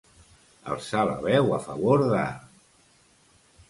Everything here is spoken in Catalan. Alçar la veu a favor de.